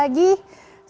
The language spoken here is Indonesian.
ini juga sangat tinggi